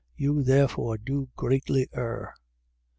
You therefore do greatly err.